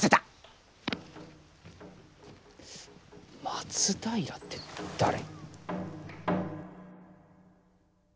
松平って誰？